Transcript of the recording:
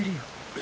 え